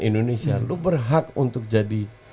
indonesia lo berhak untuk jadi